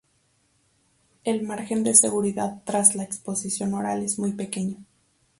El margen de seguridad tras la exposición oral es muy pequeño.